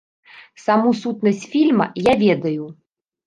Саму сутнасць фільма я ведаю.